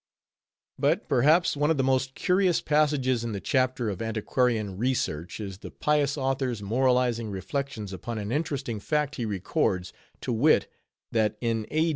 But, perhaps, one of the most curious passages in the chapter of antiquarian research, is the pious author's moralizing reflections upon an interesting fact he records: to wit, that in a.